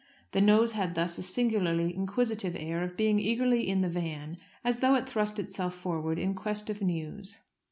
The nose had thus a singularly inquisitive air of being eagerly in the van, as though it thrust itself forward in quest of news.